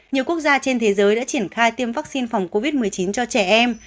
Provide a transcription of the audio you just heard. nhiều quốc gia trên thế giới đã triển khai tiêm vaccine phòng covid một mươi chín cho trẻ em